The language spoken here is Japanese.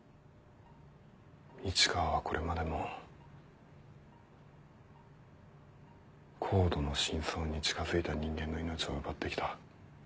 市川はこれまでもＣＯＤＥの真相に近づいた人間の命を奪ってきた。